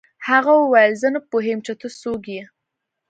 هغه وویل زه نه پوهېږم چې ته څوک یې